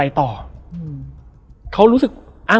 แล้วสักครั้งหนึ่งเขารู้สึกอึดอัดที่หน้าอก